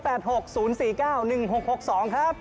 เบอร์โทรติดต่อ๐๘๖๐๔๙๑๖๖๒ครับ